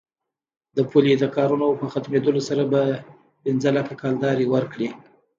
د پولې د کارونو په ختمېدلو سره به پنځه لکه کلدارې ورکړي.